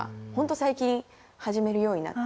最近始めるようになって。